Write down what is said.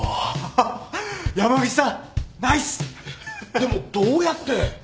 でもどうやって？